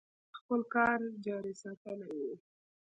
خپل کار جاري ساتلی و.